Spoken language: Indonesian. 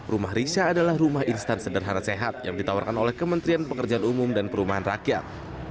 rumah risha adalah rumah instan sederhana sehat yang ditawarkan oleh kementerian pekerjaan umum dan perumahan rakyat